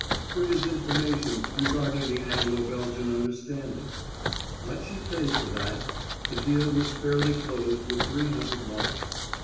For his information regarding the Anglo Belgian understanding? But she paid for that; the deal was fairly closed with three hundred marks.